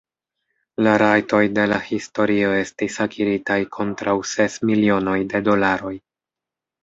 La rajtoj de la historio estis akiritaj kontraŭ ses milionoj de dolaroj.